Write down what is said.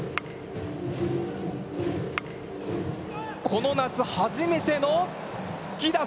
この夏、初めての犠打。